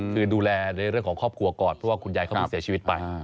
คือดูแลในเรื่องของครอบครัวก่อนเพราะว่าคุณยายเขามีเสียชีวิตไป